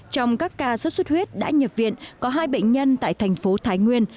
trong các ca sốt sốt huyết đã nhập viện có hai bệnh nhân tại thành phố thái nguyên